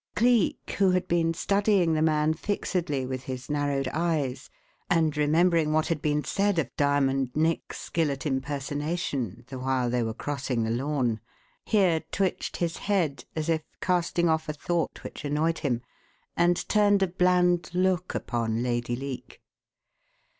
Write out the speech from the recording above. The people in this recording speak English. Cleek, who had been studying the man fixedly with his narrowed eyes and remembering what had been said of Diamond Nick's skill at impersonation, the while they were crossing the lawn here twitched his head, as if casting off a thought which annoyed him, and turned a bland look upon Lady Leake.